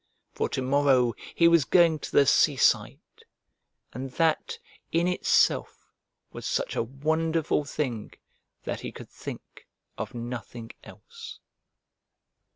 For to morrow he was going to the seaside, and that in itself was such a wonderful thing that he could think of nothing else.